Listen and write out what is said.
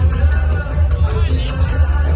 แกก็คอยหล่อคอยเจ้า